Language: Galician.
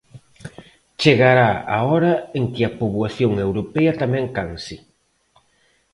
Chegará a hora en que a poboación europea tamén canse.